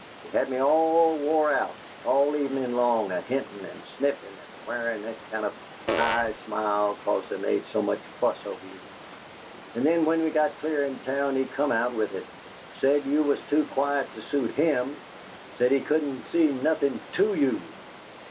He had me all wore out all evening long a hintin' and sniffin' and wearin' that kind of a high smile 'cause they made so much fuss over you. And then when we got clear in town he come out with it! Said you was too quiet to suit HIM said he couldn't see nothin' TO you!